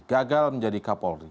gagal menjadi kepolri